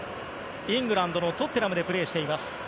イングランドのトッテナムでプレーしています。